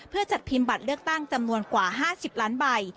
เพื่อจัดพิมพ์บัตรเลือกตั้งจำนวนกว่า๕๐ล้านใบ